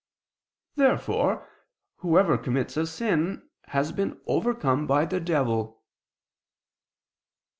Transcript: Therefore whoever commits a sin, has been overcome by the devil.